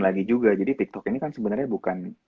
lagi juga jadi tiktok ini kan sebenarnya bukan